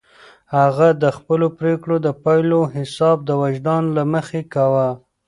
هغه د خپلو پرېکړو د پایلو حساب د وجدان له مخې کاوه.